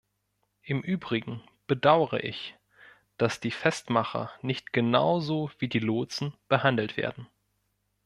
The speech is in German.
Im Übrigen bedaure ich, dass die Festmacher nicht genauso wie die Lotsen behandelt werden.